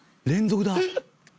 「連続だ！」